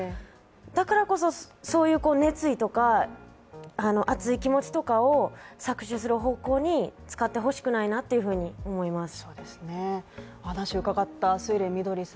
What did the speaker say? だからこそ、そういう熱意とか熱い気持ちとかを搾取する方向に使ってほしくないなというふうに思います